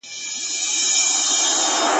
چي د «لر او بر یو افغان» ..